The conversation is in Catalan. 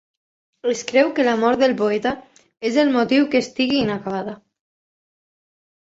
Es creu que la mort del poeta és el motiu que estigui inacabada.